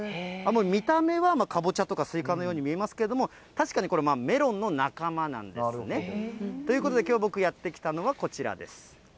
見た目はカボチャとかスイカのように見えますけども、確かにこれ、メロンの仲間なんですね。ということで、きょう、僕やって来たのは、こちらです。